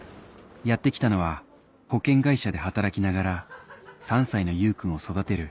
やって来たのは保険会社で働きながら３歳のゆうくんを育てる